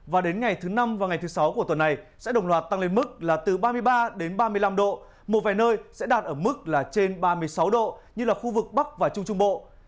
và đến ngày thứ năm và ngày thứ sáu của tuần này sẽ đồng loạt tăng lên mức là từ ba mươi ba đến ba mươi năm độ một vài nơi sẽ đạt ở mức là trên ba mươi sáu độ như là khu vực bắc và trung trung bộ